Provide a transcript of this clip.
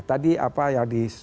tadi apa ya di